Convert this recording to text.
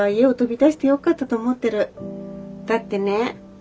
「だってね